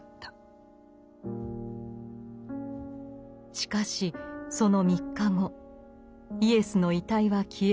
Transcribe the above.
しかしその３日後イエスの遺体は消えました。